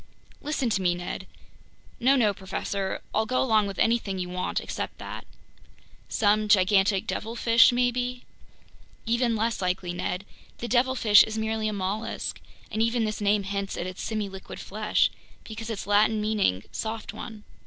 "Listen to me, Ned—" "No, no, professor. I'll go along with anything you want except that. Some gigantic devilfish maybe ...?" "Even less likely, Ned. The devilfish is merely a mollusk, and even this name hints at its semiliquid flesh, because it's Latin meaning soft one.